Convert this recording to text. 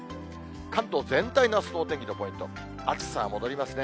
関東全体のあすのお天気のポイント、暑さは戻りますね。